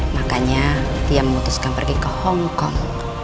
makanya dia memutuskan pergi ke hongkong